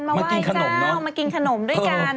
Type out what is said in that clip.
มาไหว้เจ้ามากินขนมด้วยกัน